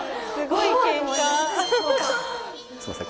すいません